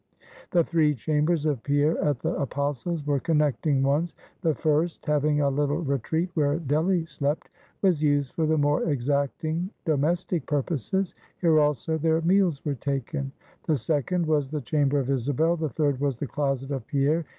The three chambers of Pierre at the Apostles' were connecting ones. The first having a little retreat where Delly slept was used for the more exacting domestic purposes: here also their meals were taken; the second was the chamber of Isabel; the third was the closet of Pierre.